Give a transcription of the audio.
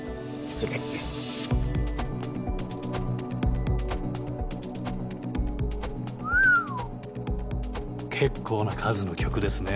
失礼結構な数の曲ですね